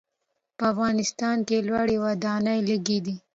په افغانستان کې لوړې ودانۍ لږ دي.